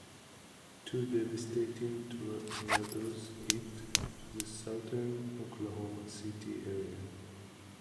Two devastating tornadoes hit the southern Oklahoma City Area.